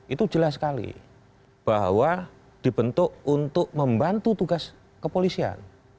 itu jelas sekali bahwa dibentuk untuk membantu tugas kepolisian